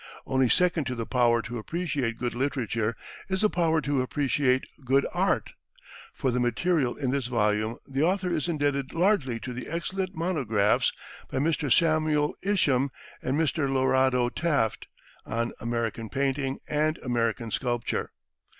Only second to the power to appreciate good literature is the power to appreciate good art. For the material in this volume the author is indebted largely to the excellent monographs by Mr. Samuel Isham and Mr. Lorado Taft on "American Painting," and "American Sculpture."